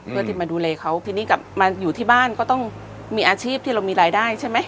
เพื่อที่มาดูแลเขาทีนี้กลับมาอยู่ที่บ้านก็ต้องมีอาชีพที่เรามีรายได้ใช่ไหม